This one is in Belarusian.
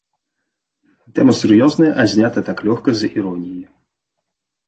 Тэма сур'ёзная, а знята так лёгка, з іроніяй.